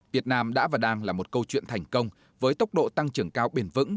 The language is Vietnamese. việt nam đã và đang là một câu chuyện thành công với tốc độ tăng trưởng cao bền vững